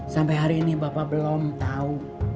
sampai hari ini bapak belum tahu